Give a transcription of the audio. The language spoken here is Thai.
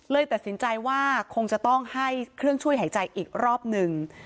ตัดสินใจว่าคงจะต้องให้เครื่องช่วยหายใจอีกรอบหนึ่ง